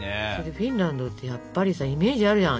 フィンランドってやっぱりさイメージあるじゃん。